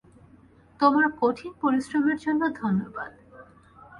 তোমার কঠিন পরিশ্রমের জন্য ধন্যবাদ।